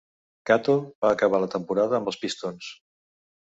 Cato va acabar la temporada amb els Pistons.